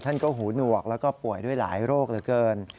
ท่านก็หูหนวกแล้วก็ป่วยด้วยหลายโรคเหลือเกิน